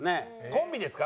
コンビですか？